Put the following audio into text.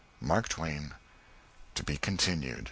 MARK TWAIN. (_To be Continued.